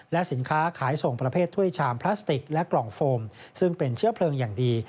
และสินค้าขายส่งประเภทถ้วยชามพลาสติกและกล่องโฟมซึ่งเป็นเชื้อเพลิงอย่างดี